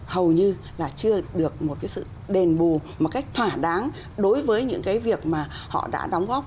hầu như là chưa được một cái sự đền bù một cách thỏa đáng đối với những cái việc mà họ đã đóng góp